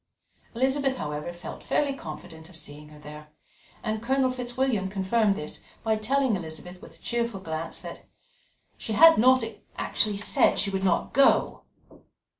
Elizabeth, however, felt fairly confident of seeing her there, and Colonel Fitzwilliam confirmed this by telling Elizabeth with a cheerful glance that "she had not actually said she would not go."